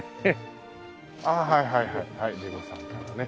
ああはいはいはい巫女さんからね。